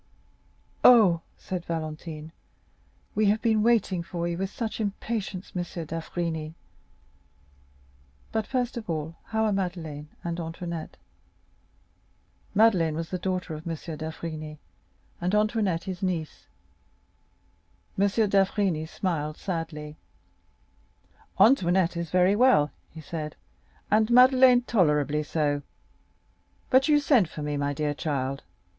"Oh," said Valentine, "we have been waiting for you with such impatience, dear M. d'Avrigny. But, first of all, how are Madeleine and Antoinette?" Madeleine was the daughter of M. d'Avrigny, and Antoinette his niece. M. d'Avrigny smiled sadly. "Antoinette is very well," he said, "and Madeleine tolerably so. But you sent for me, my dear child.